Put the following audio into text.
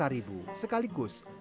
ini adalah ujian saya lotion rows hell